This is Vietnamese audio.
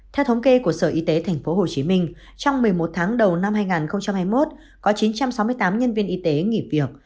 theo thống kê của sở y tế tp hcm trong một mươi một tháng đầu năm hai nghìn hai mươi một có chín trăm sáu mươi tám nhân viên y tế nghỉ việc